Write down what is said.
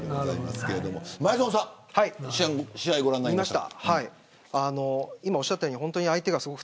前園さん試合ご覧になりましたか。